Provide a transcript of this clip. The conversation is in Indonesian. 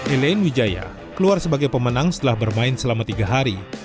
elaine wijaya keluar sebagai pemenang setelah bermain selama tiga hari